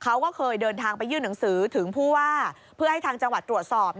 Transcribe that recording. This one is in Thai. เขาก็เคยเดินทางไปยื่นหนังสือถึงที่ทางจังหวัดตรวจสอบ